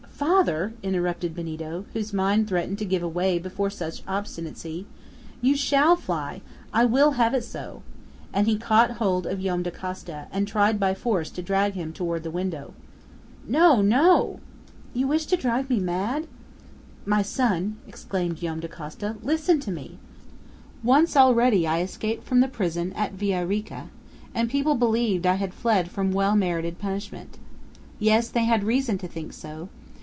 "Father," interrupted Benito, whose mind threatened to give way before such obstinacy, "you shall fly! I will have it so!" And he caught hold of Joam Dacosta, and tried by force to drag him toward the window. "No! no!" "You wish to drive me mad?" "My son," exclaimed Joam Dacosta, "listen to me! Once already I escaped from the prison at Villa Rica, and people believed I fled from well merited punishment. Yes, they had reason to think so.